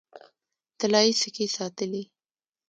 طلايي سکې ساتلې.